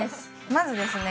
まずですね